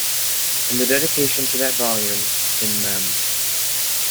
In the dedication to that volume, In Mem.